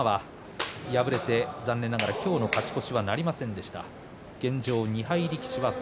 馬は敗れて残念ながら今日の勝ち越しはなりませんでした。